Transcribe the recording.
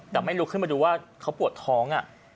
แต่ไม่ลุกขึ้นมาดูว่าเขาปวดท้อง